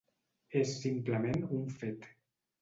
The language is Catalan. És simplement un fet.